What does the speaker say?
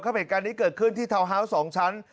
เหตุการณ์นี้เกิดขึ้นที่ทาวน์ฮาวส์๒ชั้น